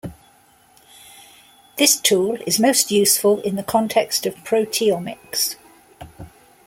This tool is most useful in the context of proteomics.